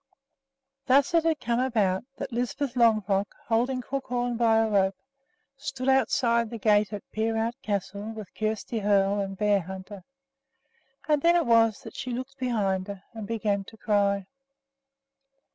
Thus had it come about that Lisbeth Longfrock, holding Crookhorn by a rope, stood outside the gate at Peerout Castle with Kjersti Hoel and Bearhunter; and then it was that she looked behind her and began to cry.